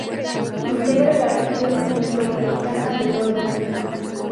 Integra la Región Metropolitana de Londrina.